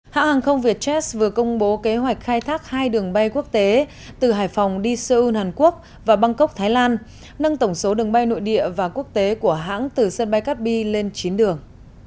hãng hàng không vietjet vừa công bố kế hoạch khai thác hai đường bay quốc tế từ hải phòng đi seoul hàn quốc và bangkok thái lan nâng tổng số đường bay nội địa và quốc tế của hãng từ sân bay cát bi lên chín đường